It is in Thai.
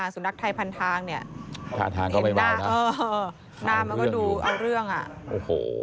สุนัขไทยพันทางเนี่ยถ้าทางก็ไม่บ่ายนะนามมันก็ดูเอาเรื่องอ่ะ